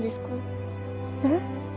えっ？